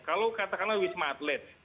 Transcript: kalau katakanlah wisma atlet